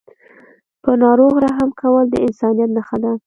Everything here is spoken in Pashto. په ناروغ رحم کول د انسانیت نښه ده.